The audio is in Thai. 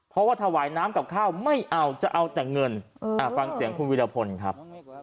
เพราะว่าถวายน้ำกับข้าวไม่เอาจะเอาแต่เงินฟังเสียงคุณวิรพลครับ